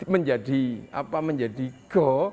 menjadi apa menjadi go